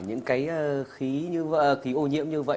những cái khí ô nhiễm như vậy